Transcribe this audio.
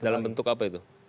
dalam bentuk apa itu